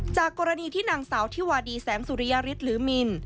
จากกรณีที่นางสาวที่วาดีแสงสุริยฤทธิ์หรือมิน